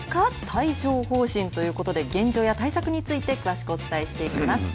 帯状ほう疹ということで、現状や対策について、詳しくお伝えしていきます。